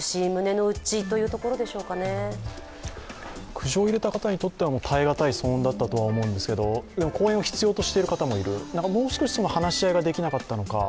苦情を入れた方にとっては耐えがたい騒音だったと思うんですが公園を必要としている方もいるもう少し話し合いができなかったのか。